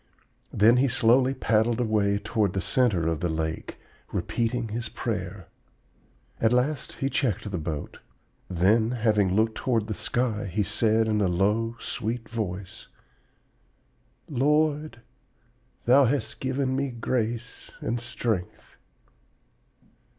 Then he slowly paddled away toward the center of the lake, repeating his prayer. At last he checked the boat; then, having looked toward the sky, he said in a low, sweet voice, 'Lord, Thou hast given me grace and strength.'